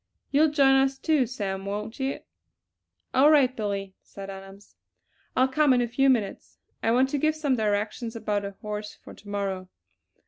You'll join us, too, Sam, won't you?" "All right, Billy," said Adams, "I'll come in a few minutes. I want to give some directions about a horse for to morrow."